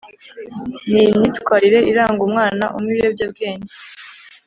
ni iyi myitwarire iranga umwana unywa ibiyobyabwenge